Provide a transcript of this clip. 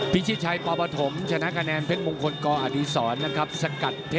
ภิชิชัยปภาธมชนะกาแนนเพชรมงคลเขาอาทิสรนะครับเสกตรเทศเกรียดวิสุทธิ์